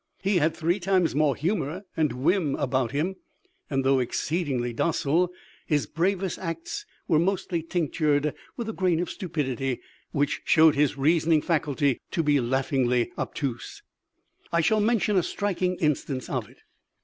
He had three times more humour and whim about him; and though exceedingly docile, his bravest acts were mostly tinctured with a grain of stupidity, which showed his reasoning faculty to be laughably obtuse. "I shall mention a striking instance of it.